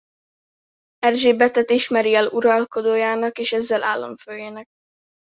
Erzsébetet ismeri el uralkodójának és ezzel államfőjének.